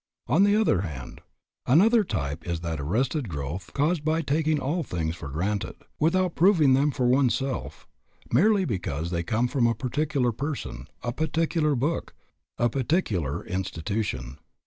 And on the other hand, another type is that arrested growth caused by taking all things for granted, without proving them for one's self, merely because they come from a particular person, a particular book, a particular institution.